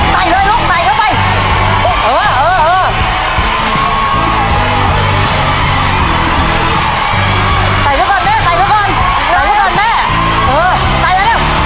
ใส่เข้าก่อนแม่เออใส่เร็ว